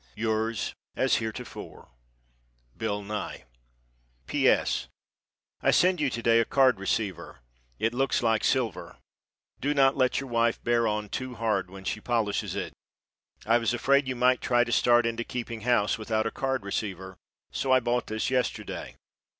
Yours, as heretofore, Bill Nye. P. S. I send you to day a card receiver. It looks like silver. Do not let your wife bear on too hard when she polishes it. I was afraid you might try to start into keeping house without a card receiver, so I bought this yesterday.